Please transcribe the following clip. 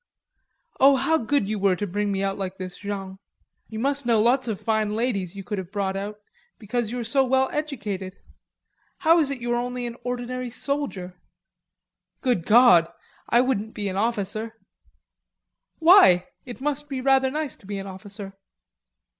Oh, how good you were to bring me out like this, Jean. You must know lots of fine ladies you could have brought out, because you are so well educated. How is it you are only an ordinary soldier?" "Good God! I wouldn't be an officer." "Why? It must be rather nice to be an officer."